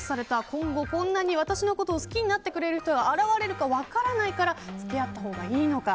今後こんなに私のことを好きになってくれる人は現れるか分からないから付き合ったほうがいいのか。